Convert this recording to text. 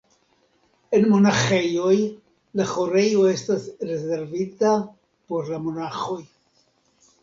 En monaĥejoj la ĥorejo estas rezervita por la monaĥoj.